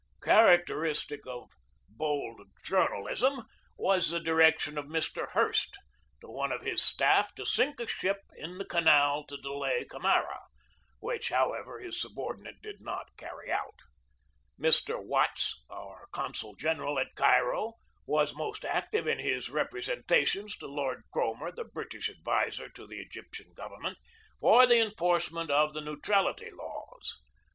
Characteristic of bold journalism was the direc tion of Mr. Hearst to one of his staff to sink a ship in the canal to delay Camara, which, however, his subordinate did not carry out. Mr. Watts, our consul general at Cairo, was most active in his repre sentations to Lord Cromer, the British adviser of the Egyptian government, for the enforcement of the neutrality laws.